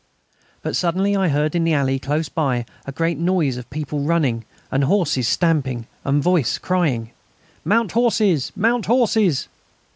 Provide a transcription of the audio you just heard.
But suddenly I heard in the alley close by a great noise of people running and horses stamping, and a voice crying: "Mount horses!... Mount horses!"